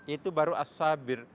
itu baru as sabir